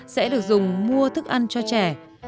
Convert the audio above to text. sẽ được dùng mua thức ăn cho trẻ